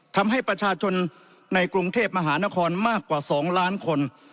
ทำให้ประชาชนในกรุงเทพมหานครมากกว่า๒ล้านคน